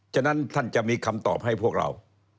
ฉะนั้นท่านจะมีคำตอบให้พวกเรา